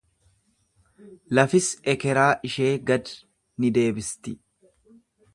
Lafis ekeraa ishee gad ni deebisti.